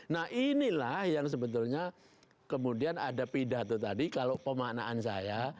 nah inilah yang sebetulnya kemudian ada pidato tadi kalau pemaknaan saya